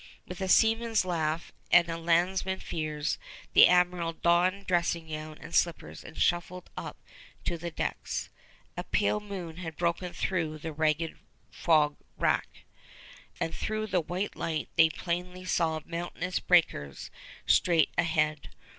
With a seaman's laugh at a landsman's fears, the Admiral donned dressing gown and slippers and shuffled up to the decks. A pale moon had broken through the ragged fog wrack, and through the white light they plainly saw mountainous breakers straight ahead.